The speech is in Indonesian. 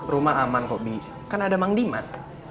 rumah aman kok bebep kan ada mang diman